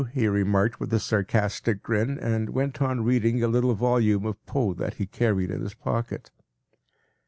” he remarked with a sarcastic grin, and went on reading a little volume of Poe that he carried in his pocket.